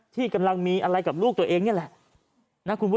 ที่กำลังมีอะไรกับลูกตัวเองนี่แหละ